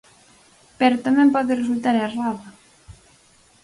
Pero tamén pode resultar errada.